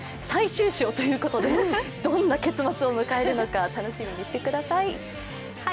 最終章ということで、どんな結末を迎えるか楽しみにしてください。